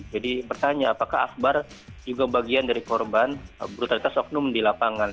jadi bertanya apakah akbar juga bagian dari korban brutalitas oknum di lapangan